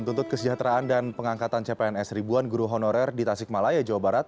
tuntut kesejahteraan dan pengangkatan cpns ribuan guru honorer di tasik malaya jawa barat